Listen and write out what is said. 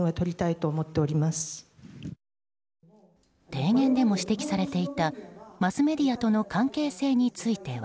提言でも指摘されていたマスメディアとの関係性については。